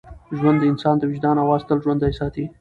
ژوند د انسان د وجدان اواز تل ژوندی ساتي.